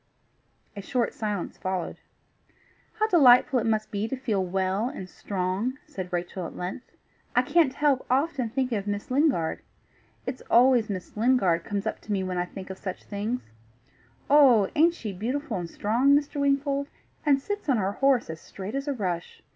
A short silence followed. "How delightful it must be to feel well and strong!" said Rachel at length. "I can't help often thinking of Miss Lingard. It's always Miss Lingard comes up to me when I think of such things. Oh! ain't she beautiful and strong, Mr. Wingfold? and sits on her horse as straight as a rush!